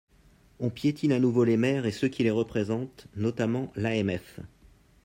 On piétine à nouveau les maires et ceux qui les représentent, notamment l’AMF.